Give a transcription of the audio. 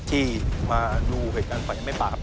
ที่มาดูเหตุการณ์ไฟยังไม่ปากครับ